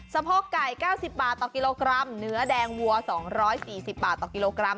โพกไก่๙๐บาทต่อกิโลกรัมเนื้อแดงวัว๒๔๐บาทต่อกิโลกรัม